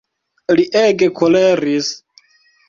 Li ege koleris.